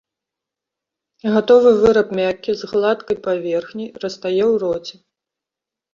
Гатовы выраб мяккі, з гладкай паверхняй, растае ў роце.